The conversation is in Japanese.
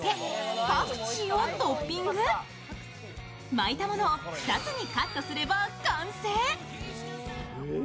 巻いたものを２つにカットすれば完成。